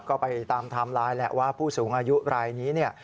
ก็ไปตามไทม์ไลน์แหละว่าผู้สูงอายุรายนี้เนี่ย